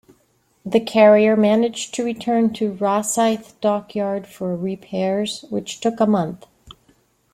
The carrier managed to return to Rosyth Dockyard for repairs, which took a month.